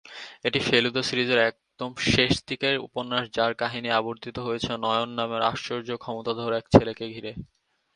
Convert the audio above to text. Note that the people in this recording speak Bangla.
এটি ফেলুদা সিরিজের একদম শেষ দিকের উপন্যাস যার কাহিনী আবর্তিত হয়েছে নয়ন নামের আশ্চর্য ক্ষমতাধর এক ছেলেকে ঘিরে।